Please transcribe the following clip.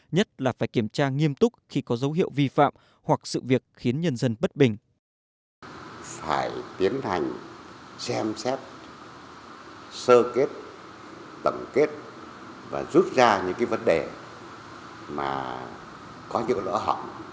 nhất là phải kiểm tra nghiêm túc khi có dấu hiệu vi phạm hoặc sự việc khiến nhân dân bất bình